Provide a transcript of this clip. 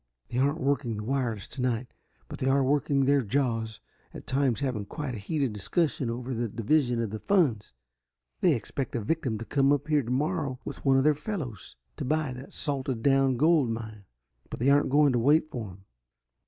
"They aren't working the wireless tonight, but they are working their jaws, at times having quite a heated discussion over the division of the funds. They expect a victim to come up here tomorrow with one of their fellows, to buy that salted down gold mine, but they aren't going to wait for him.